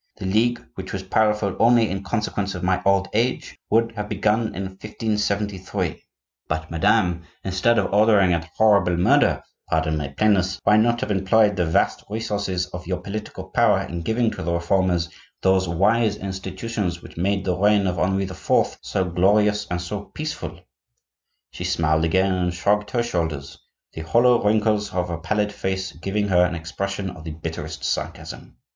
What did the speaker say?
The League, which was powerful only in consequence of my old age, would have begun in 1573.' 'But, madame, instead of ordering that horrible murder (pardon my plainness) why not have employed the vast resources of your political power in giving to the Reformers those wise institutions which made the reign of Henri IV. so glorious and so peaceful?' She smiled again and shrugged her shoulders, the hollow wrinkles of her pallid face giving her an expression of the bitterest sarcasm.